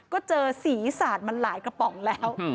ก็เจอศีรษะมันหลายกระป๋องแล้ว